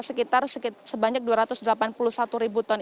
sekitar sebanyak dua ratus delapan puluh satu ribu ton